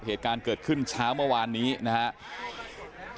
เหตุการณ์เกิดขึ้นเช้าเมื่อวานนี้นะครับ